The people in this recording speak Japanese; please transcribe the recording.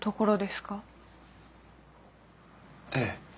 ええ。